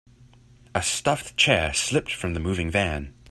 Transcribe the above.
A stuffed chair slipped from the moving van.